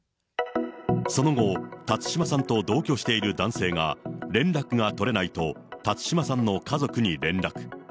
その後、辰島さんと同居している男性が、連絡が取れないと辰島さんの家族に連絡。